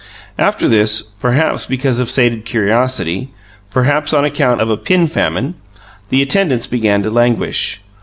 After this, perhaps because of sated curiosity, perhaps on account of a pin famine, the attendance began to languish.